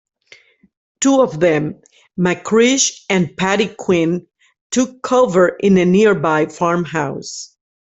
Two of them, McCreesh and Paddy Quinn, took cover in a nearby farmhouse.